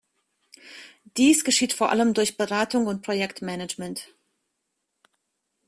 Dies geschieht vor allem durch Beratung und Projektmanagement.